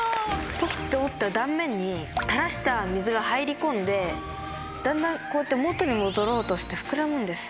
ポキっと折った断面に垂らした水が入り込んでだんだんこうやって元に戻ろうとして膨らむんです。